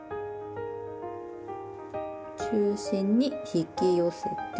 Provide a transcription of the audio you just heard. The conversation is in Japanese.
中心に引き寄せて。